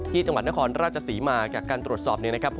จังหวัดนครราชศรีมาจากการตรวจสอบเนี่ยนะครับ